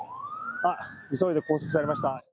急いで拘束されました。